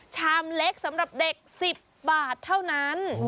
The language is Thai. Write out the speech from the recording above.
ชามเล็กสำหรับเด็ก๑๐บาทเท่านั้น